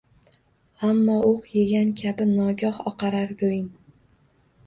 Ammo o‘q yegan kabi nogoh oqarar ro‘ying.